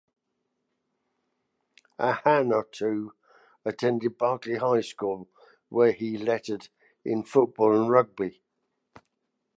Ahanotu attended Berkeley High School where he lettered in football and rugby.